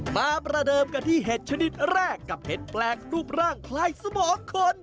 ประเดิมกันที่เห็ดชนิดแรกกับเห็ดแปลกรูปร่างคล้ายสมองคน